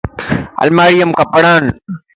الماري ام ڪپڙا ان